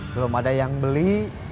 belum ada yang beli